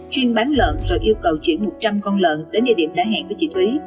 chuyên bán lợn rồi yêu cầu chuyển một trăm linh con lợn đến địa điểm đã hẹn với chị thúy